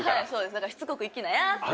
だからしつこくいきなやって。